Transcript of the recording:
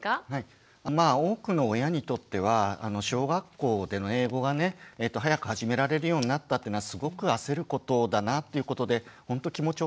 多くの親にとっては小学校での英語がね早く始められるようになったっていうのはすごく焦ることだなということでほんと気持ち